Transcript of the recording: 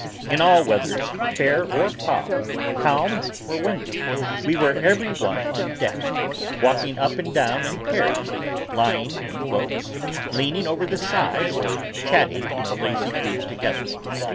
In all weathers, fair or foul, calm or windy, we were every one on deck, walking up and down in pairs, lying in the boats, leaning over the side, or chatting in a lazy group together.